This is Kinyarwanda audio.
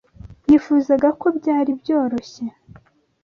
Nifuzaga ko byari byoroshye